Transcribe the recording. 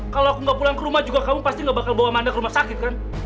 kalau aku gak pulang ke rumah kamu pasti gak bawa amanda ke rumah sakit